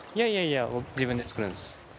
いやいやいや自分で作るんです。